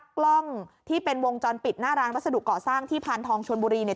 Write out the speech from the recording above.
กล้องที่เป็นวงจรปิดหน้ารางรสดุก่อสร้างที่พานทองชวนบุรี